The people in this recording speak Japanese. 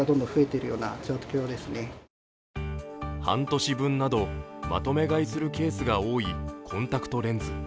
半年分などまとめ買いするケースが多いコンタクトレンズ。